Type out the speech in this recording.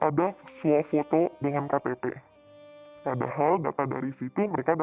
ada sua foto dengan ktp